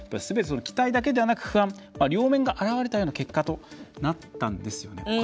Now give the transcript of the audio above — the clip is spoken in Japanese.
すべて、期待だけではなく不安両面が表れたような結果となったんですよね。